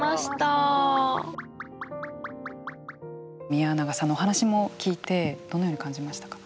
宮永さんのお話も聞いてどのように感じましたか？